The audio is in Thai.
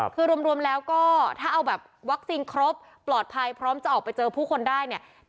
คือรวมแล้วก็ถ้าเอาแบบวัคซีนครบปลอดภัยพร้อมจะออกไปเจอผู้คนได้เนี่ย